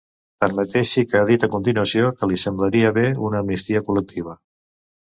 Tanmateix sí que ha dit a continuació que li semblaria bé una amnistia col·lectiva.